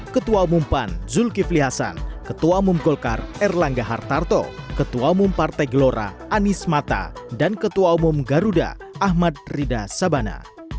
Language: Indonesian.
ketua umum pan zulkifli hasan ketua umum golkar erlangga hartarto ketua umum partai gelora anies mata dan ketua umum garuda ahmad rida sabana